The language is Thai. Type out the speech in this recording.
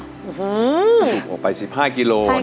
สูบออกไป๑๕กิโล